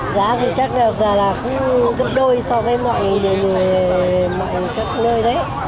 giá thì chắc là gấp đôi so với mọi nơi đấy